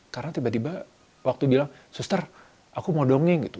karena tiba tiba waktu bilang suster aku mau dongeng